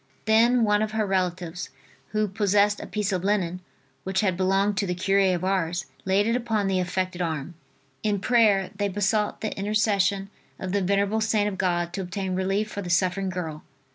Then one of her relatives who possessed a piece of linen, which had belonged to the cure of Ars, laid it upon the affected arm. In prayer they besought the intercession of the venerable servant of God to obtain relief for the suffering girl.